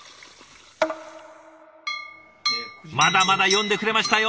まだまだ詠んでくれましたよ。